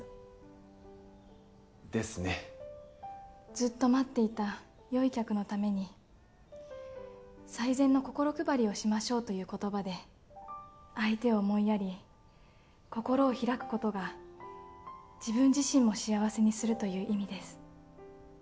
ずっと待っていたよい客のために最善の心配りをしましょうという言葉で相手を思いやり心を開くことが自分自身も幸せにするという意味です。